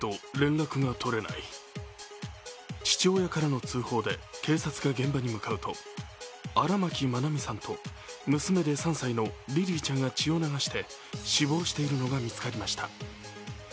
父親からの通報で警察が現場に向かうと荒牧愛美さんと娘で３歳のリリィちゃんが血を流して死亡しているのが見つかりました。